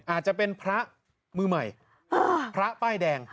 อาจจะเป็นพระมือใหม่พระป้ายแดง